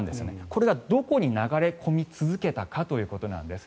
これがどこに流れ込み続けたかということなんです。